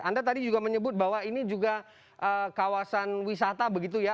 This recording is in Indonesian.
anda tadi juga menyebut bahwa ini juga kawasan wisata begitu ya